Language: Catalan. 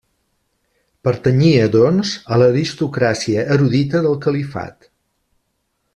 Pertanyia, doncs, a l'aristocràcia erudita del califat.